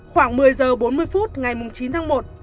khoảng một mươi h bốn mươi phút ngày chín tháng một